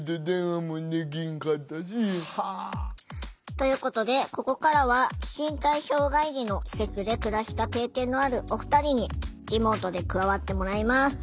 ということでここからは身体障害児の施設で暮らした経験のあるお二人にリモートで加わってもらいます。